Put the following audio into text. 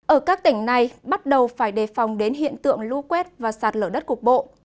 ở các tỉnh này bắt đầu phải đề phòng đến hiện tượng lũ quét và sạt lở đất cục bộ